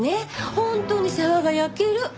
本当に世話が焼ける。